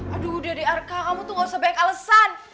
aduh dede arka kamu tuh gak usah bengk alesan